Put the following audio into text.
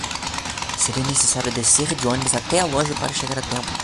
Seria necessário descer de ônibus até a loja para chegar a tempo.